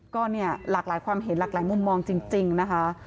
ก็เนี่ยหลากหลายความเห็นหลากหลายมุมมองจริงนะคะ